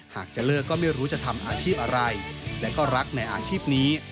หากจะเลิกก็ไม่รู้จะทำอาชีพอะไรและก็รักในอาชีพนี้